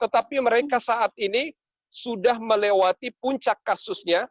tetapi mereka saat ini sudah melewati puncak kasusnya